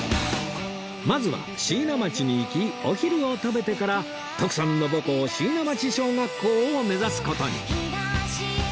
まずは椎名町に行きお昼を食べてから徳さんの母校椎名町小学校を目指す事に